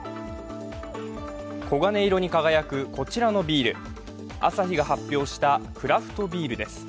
黄金色に輝くこちらのビール、アサヒが発表したクラフトビールです。